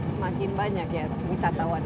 semakin banyak ya wisatawan